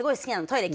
トイレ